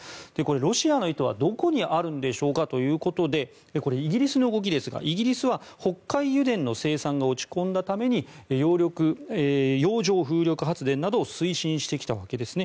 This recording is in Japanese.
ロシアの意図はどこにあるんでしょうかということでこれ、イギリスの動きですがイギリスは北海油田の生産が落ち込んだために洋上風力発電などを推進してきたわけですね。